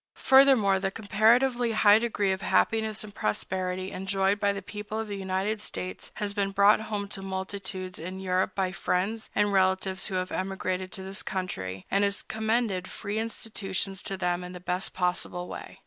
Furthermore, the comparatively high degree of happiness and prosperity enjoyed by the people of the United States has been brought home to multitudes in Europe by friends and relatives who have emigrated to this country, and has commended free institutions to them in the best possible way.